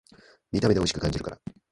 見た目でおいしく感じるから